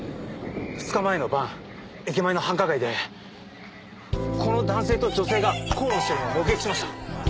２日前の晩駅前の繁華街でこの男性と女性が口論しているのを目撃しました。